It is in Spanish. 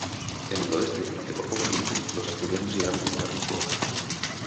En el oeste, aunque por poco tiempo, los asturianos llegaron a ocupar Lisboa.